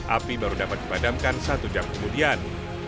api baru dapat dipadamkan satu jam kemudian